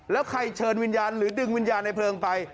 แล้วใครเชิญวิญญาณหรือดึงวิญญาณในเพลิงไป